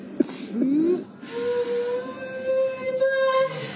うん。